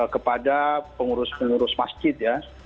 kepada pengurus pengurus masjid